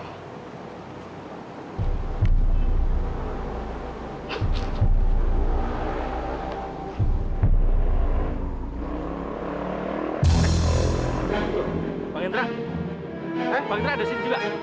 pak hendra pak hendra ada sini juga